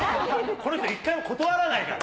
この人、一回も断らないから。